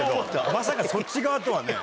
まさかそっち側とはね。